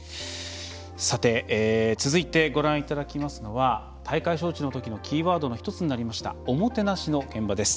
続いて、ご覧いただきますのは大会招致のときのキーワードの１つになりましたおもてなしの現場です。